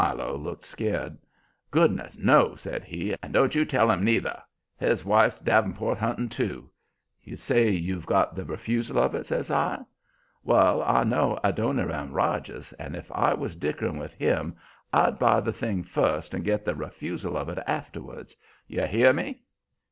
Milo looked scared. "Goodness! No," says he. "And don't you tell him neither. His wife's davenport hunting too." "You say you've got the refusal of it?" says I. "Well, I know Adoniram Rogers, and if I was dickering with him I'd buy the thing first and get the refusal of it afterwards. You hear ME?"